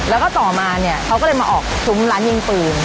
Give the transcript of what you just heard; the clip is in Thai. แล้วก็ต่อมาเนี่ยเขาก็เลยมาออกซุ้มร้านยิงปืน